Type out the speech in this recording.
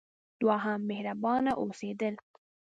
دوهم: مهربانه اوسیدل.